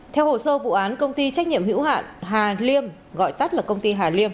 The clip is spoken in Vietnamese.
theo hồ sơ vụ án công ty trách nhiệm hữu hạn hà liêm gọi tắt là công ty hà liêm